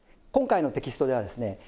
今回のテキストではですね